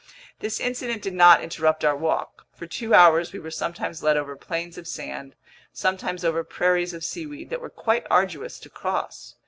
This incident did not interrupt our walk. For two hours we were sometimes led over plains of sand, sometimes over prairies of seaweed that were quite arduous to cross.